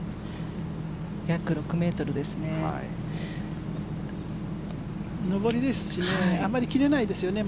約６ｍですね。